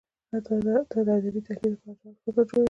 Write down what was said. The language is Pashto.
دا د ادبي تحلیل لپاره ژور فکر جوړوي.